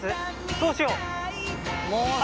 どうしよう？